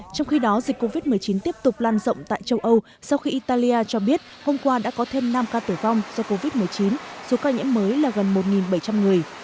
trong khi đó dịch covid một mươi chín tiếp tục lan rộng tại châu âu sau khi italia cho biết hôm qua đã có thêm năm ca tử vong do covid một mươi chín số ca nhiễm mới là gần một bảy trăm linh người